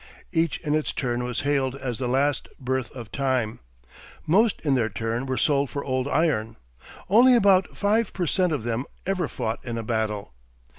Each in its turn was hailed as the last birth of time, most in their turn were sold for old iron. Only about five per cent of them ever fought in a battle.